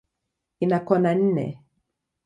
Ina kona nne.